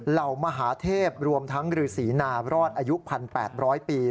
เหล่ามหาเทพรวมทั้งฤษีนารอดอายุ๑๘๐๐ปี